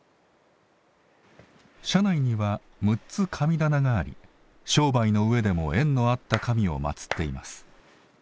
社内には６つ神棚があり商売の上でも縁のあった神を祭っています。